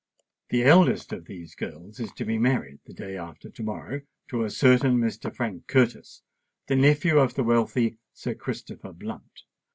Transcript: The eldest of these girls is to be married the day after to morrow to a certain Mr. Frank Curtis, the nephew of the wealthy Sir Christopher Blunt.